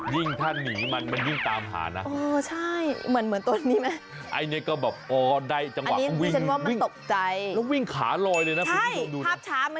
อย่างเช่นถ้าหนีมันมันวิ่งตาม